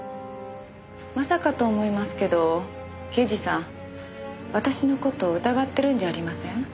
まさかと思いますけど刑事さん私の事疑ってるんじゃありません？